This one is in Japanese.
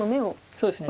そうですね。